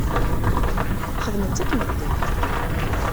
Xedmen-tt akk medden.